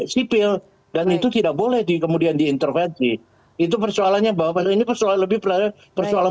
sipil dan itu tidak boleh di kemudian diintervensi itu persoalannya bahwa ini persoalan lebih persoalan